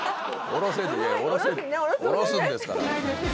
おろすんですから。